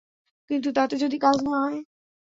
কিন্তু তাতে যদি কাজ না হয়?